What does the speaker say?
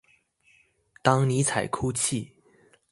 當尼采哭泣